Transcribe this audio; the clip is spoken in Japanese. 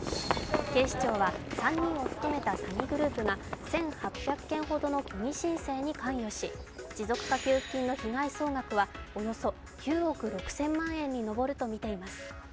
警視庁は、３人を含めた詐欺グループが１８００件ほどの虚偽申請に関与し、持続化給付金の被害総額はおよそ９億６０００万円に上るとみられています。